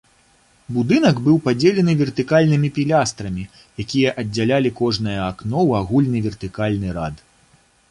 Будынак быў падзелены вертыкальнымі пілястрамі, якія аддзялялі кожнае акно ў агульны вертыкальны рад.